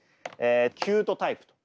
「キュートタイプ」と。